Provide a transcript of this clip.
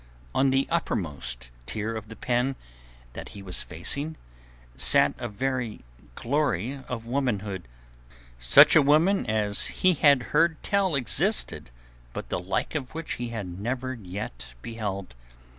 On the uppermost tier of the pen that he was facing sat a very glory of womanhood, such a woman as he had heard tell existed but the like of which he had never yet beheld.